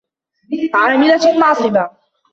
عامِلَةٌ ناصِبَةٌ